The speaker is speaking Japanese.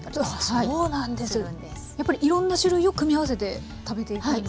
やっぱりいろんな種類を組み合わせて食べていくんですね。